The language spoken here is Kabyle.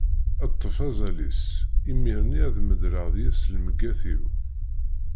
Ṭṭef azal-is, imir-nni ad meḍleɣ deg-s lmegget-iw.